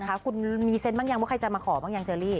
หมอก็มิเซนท์บ้างยังว่าใครจะมาขออย่างเจอร์รี่